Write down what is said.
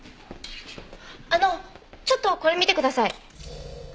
あのちょっとこれ見てください。